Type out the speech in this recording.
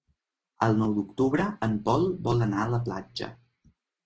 El nou d'octubre en Pol vol anar a la platja.